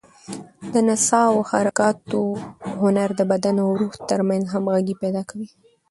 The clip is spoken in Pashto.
د نڅا او حرکاتو هنر د بدن او روح تر منځ همغږي پیدا کوي.